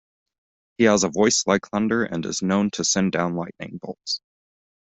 He has a voice like thunder and is known to send down lightning bolts.